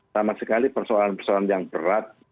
sama sekali persoalan persoalan yang berat